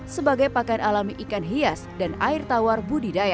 sebagai pakaian alami ikan hias dan air tawar budidaya